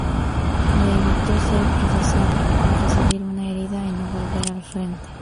Le evitó ser procesado el recibir una herida y no volver al frente.